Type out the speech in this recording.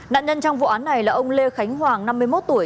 nạn nhân trong vụ án này là ông lê khánh hoàng năm mươi một tuổi